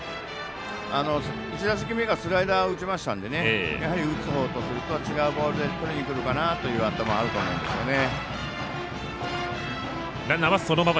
１打席目がスライダー打ちましたので打つ方とすると、違うボールでとりにくるかなという頭はあると思うんですよね。